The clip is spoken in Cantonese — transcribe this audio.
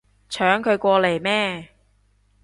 搶佢過嚟咩